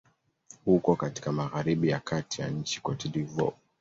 Uko katika magharibi ya kati ya nchi Cote d'Ivoire.